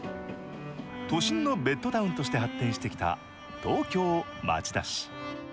都心のベッドタウンとして発展してきた東京・町田市。